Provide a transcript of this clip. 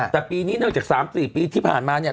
แต่ปีนี้เนื่องจาก๓๔ปีที่ผ่านมาเนี่ย